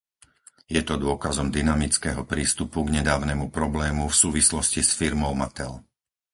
Je to dôkazom dynamického prístupu k nedávnemu problému v súvislosti s firmou Mattel.